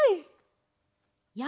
や